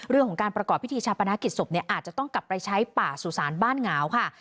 เรื่องของการประกอบพิธีชาปนากิจศพเนี่ยอาจจะต้องกลับไปใช้ป่าสู่ศาลบ้านเหงาค่ะ